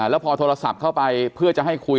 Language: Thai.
แล้วพอโทรศัพท์เข้าไปเพื่อจะให้คุย